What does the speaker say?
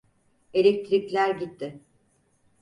Elektrikler gitti.